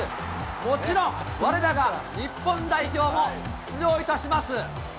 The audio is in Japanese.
もちろん、われらが日本代表も出場いたします。